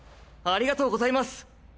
ありがとうございます。